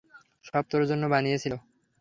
সব তোর জন্য বানিয়েছিল।